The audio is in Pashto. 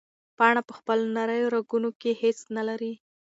پاڼه په خپلو نریو رګونو کې هیڅ نه لري.